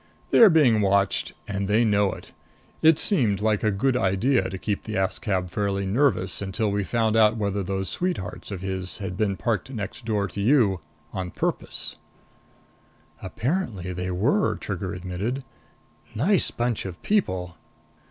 They're being watched and they know it. It seemed like a good idea to keep the Askab feeling fairly nervous until we found out whether those sweethearts of his had been parked next door to you on purpose." "Apparently they were," Trigger admitted. "Nice bunch of people!"